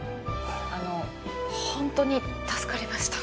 あの本当に助かりました。